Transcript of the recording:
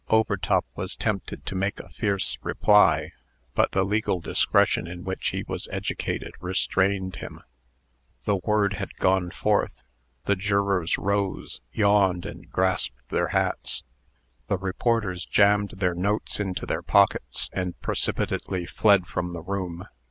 Overtop was tempted to make a fierce reply; but the legal discretion in which he was educated restrained him. The word had gone forth. The jurors rose, yawned, and grasped their hats. The reporters jammed their notes into their pockets, and precipitately fled from the room.